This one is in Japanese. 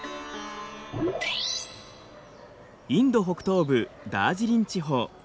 インド北東部ダージリン地方。